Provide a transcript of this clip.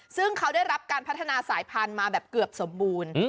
ซึ่งเขาได้รับการพัฒนาสายพันธุ์มาแบบเกือบสมบูรณ์